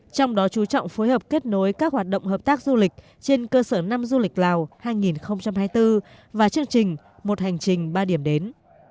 trong đó chú trọng phối hợp kết nối các hoạt động hợp tác du lịch trên cơ sở năm du lịch lào hai nghìn hai mươi bốn và chương trình một hành trình ba điểm đến